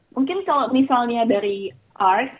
mungkin kalau misalnya dari ars